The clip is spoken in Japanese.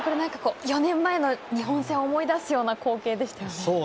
４年前の日本戦を思い出すようなそうですね。